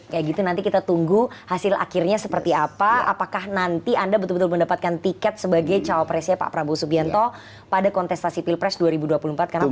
kayak gitu nanti kita tunggu hasil akhirnya seperti apa apakah nanti anda betul betul mendapatkan tiket sebagai cawapresnya pak prabowo subianto pada kontestasi pilpres dua ribu dua puluh empat karena